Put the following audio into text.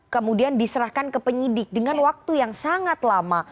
kemudian diserahkan ke penyidik dengan waktu yang sangat lama